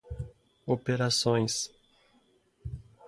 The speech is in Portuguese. operações